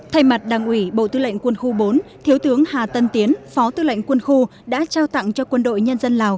thay mặt đảng ủy bộ tư lệnh quân khu bốn thiếu tướng hà tân tiến phó tư lệnh quân khu đã trao tặng cho quân đội nhân dân lào